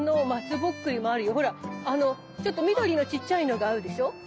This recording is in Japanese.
ちょっと緑のちっちゃいのがあるでしょ。